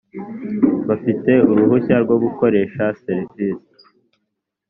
bafite uruhushya rwo gukoresha serivisi